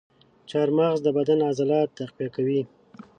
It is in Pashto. چارمغز د بدن عضلات تقویه کوي.